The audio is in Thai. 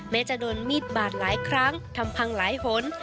จะโดนมีดบาดหลายครั้งทำพังหลายหน